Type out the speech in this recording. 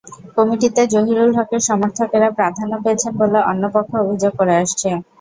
কমিটিতে জহিরুল হকের সমর্থকেরা প্রাধান্য পেয়েছেন বলে অন্য পক্ষ অভিযোগ করে আসছে।